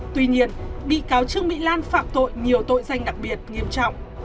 tuy nhiên bị cáo trương mỹ lan phạm tội nhiều tội danh đặc biệt nghiêm trọng